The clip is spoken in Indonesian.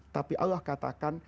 tapi allah katakan